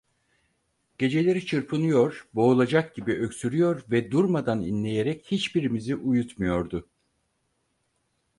Geceleri çırpınıyor, boğulacak gibi öksürüyor ve durmadan inleyerek hiçbirimizi uyutmuyordu.